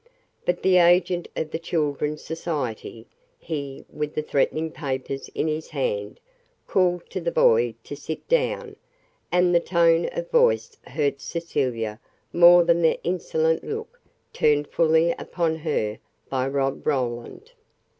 But the agent of the Children's Society, he with the threatening papers in his hand, called to the boy to sit down, and the tone of voice hurt Cecilia more than the insolent look turned fully upon her by Rob Roland.